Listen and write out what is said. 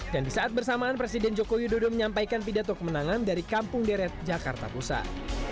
dan di saat bersamaan presiden jokowi dodo menyampaikan pidato kemenangan dari kampung deret jakarta pusat